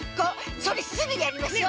それすぐやりましょう！